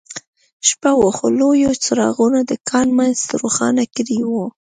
شپه وه خو لویو څراغونو د کان منځ روښانه کړی و